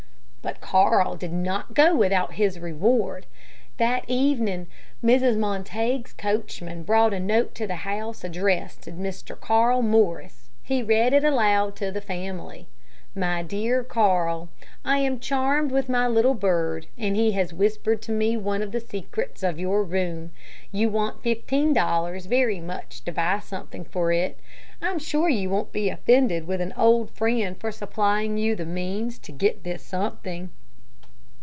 But Carl did not go without his reward. That evening, Mrs. Montague's coachman brought a note to the house addressed to Mr. Carl Morris. He read it aloud to the family. MY DEAR CARL: I am charmed with my little bird, and he has whispered to me one of the secrets of your room. You want fifteen dollars very much to buy something for it. I am sure you won't be offended with an old friend for supplying you the means to get this something.